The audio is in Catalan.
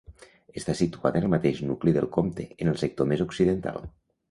Està situada en el mateix nucli del Comte, en el sector més occidental.